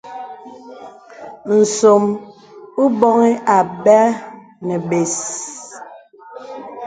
Nsòm o bɔ̄ŋi abɛ nə̀ bès.